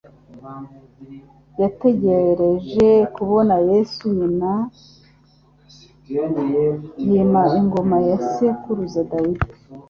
Yategereje kubona Yesu yima ingoma ya Sekuruza Dawidi;